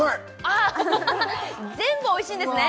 ああ全部おいしいんですね